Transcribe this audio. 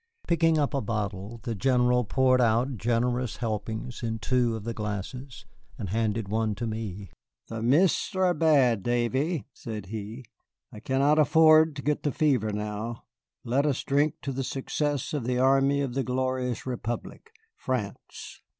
Picking up a bottle, the General poured out generous helpings in two of the glasses, and handed one to me. "The mists are bad, Davy," said he; "I I cannot afford to get the fever now. Let us drink success to the army of the glorious Republic, France."